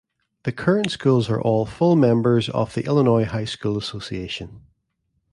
The current schools are all full members of the Illinois High School Association.